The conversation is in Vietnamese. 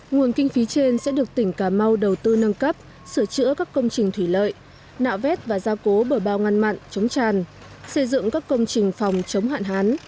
nguồn kinh phí trên sẽ được tỉnh cà mau đầu tư nâng cấp sửa chữa các công trình thủy lợi nạo vét và gia cố bờ bao ngăn mặn chống tràn xây dựng các công trình phòng chống hạn hán